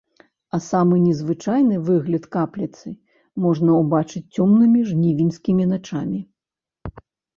А самы незвычайны выгляд капліцы можна ўбачыць цёмнымі жнівеньскімі начамі.